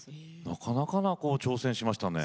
なかなかな挑戦しましたね。